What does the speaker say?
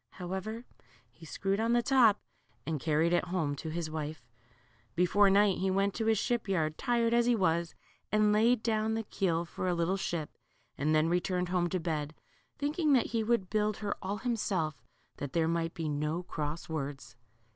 However, he screwed on the top, and carried it home to his wife. Before night, he went to his ship yard, tired as he was, and laid down the keel for a little ship, and then returned home to bed, thinking that he would build her all himself, that there might be no cross words.